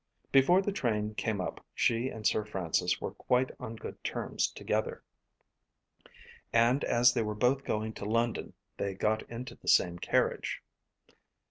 Before the train came up she and Sir Francis were quite on good terms together; and as they were both going to London they got into the same carriage.